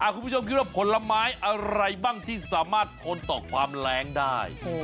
คุณผู้ชมคิดว่าผลไม้อะไรบ้างที่สามารถทนต่อความแรงได้